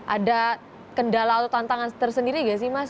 ada kendala atau tantangan tersendiri gak sih mas